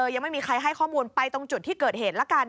ยังไม่มีใครให้ข้อมูลไปตรงจุดที่เกิดเหตุละกัน